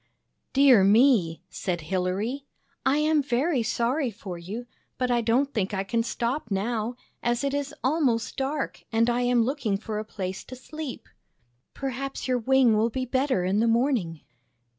" Dear me! " said Hilary. " I am very sorry for you, but I don't think I can stop now, as it is almost dark and I am looking for a place to sleep. Perhaps your wing will be better in the morning."